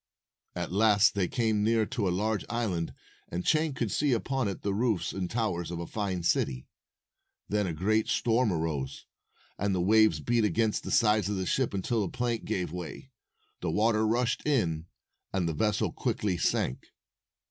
At last they came near to a large island, and Chang could see upon it the roofs and towers of a fine city. Then a great storm arose, and the waves beat against the sides of the ship until a plank gave way. The water rushed in, and the vessel quickly sank.